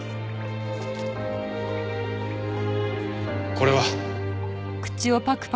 これは？